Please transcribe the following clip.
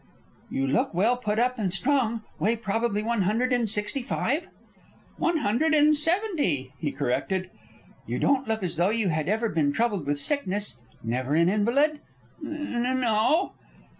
"You look well put up and strong. Weigh probably one hundred and sixty five?" "One hundred and seventy," he corrected. "You don't look as though you had ever been troubled with sickness. Never an invalid?" "N no."